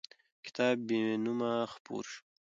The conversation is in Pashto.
کتاب بېنومه خپور شو.